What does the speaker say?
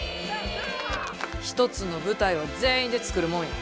一つの舞台は全員で作るもんや。